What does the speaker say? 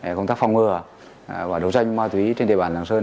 do vậy thì công tác phòng ngừa và đấu tranh ma túy trên địa bàn làng sơn